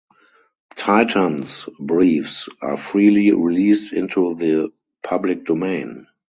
Titans Briefs are freely released into the public domain.